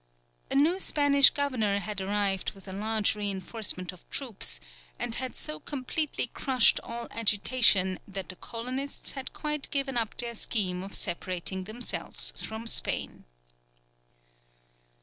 A new Spanish governor had arrived with a large reinforcement of troops, and had so completely crushed all agitation that the colonists had quite given up their scheme of separating themselves from Spain.